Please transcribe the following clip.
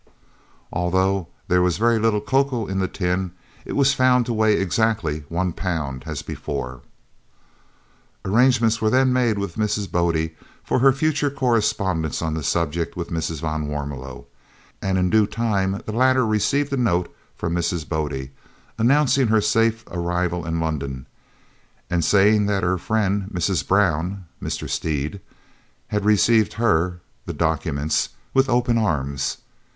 Although there was very little cocoa in the tin, it was found to weigh exactly one pound as before. Arrangements were then made with Mrs. Bodde for her future correspondence on the subject with Mrs. van Warmelo, and in due time the latter received a note from Mrs. Bodde announcing her safe arrival in London and saying that her friend Mrs. Brown (Mr. Stead) had received her (the documents) with open arms.